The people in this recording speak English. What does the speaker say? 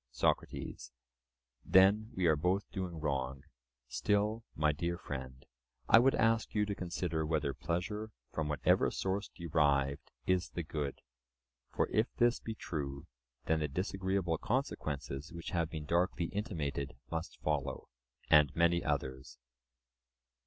SOCRATES: Then we are both doing wrong. Still, my dear friend, I would ask you to consider whether pleasure, from whatever source derived, is the good; for, if this be true, then the disagreeable consequences which have been darkly intimated must follow, and many others.